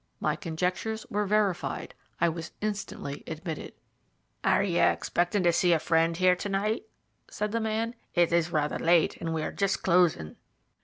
My conjectures were verified I was instantly admitted. "Are you expecting to see a friend here to night?" said the man. "It is rather late, and we are just closing."